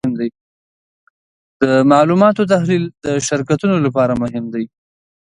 د معلوماتو تحلیل د شرکتونو لپاره مهم دی.